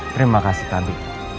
terima kasih tadi